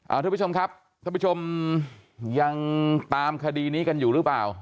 ทุกผู้ชมครับท่านผู้ชมยังตามคดีนี้กันอยู่หรือเปล่า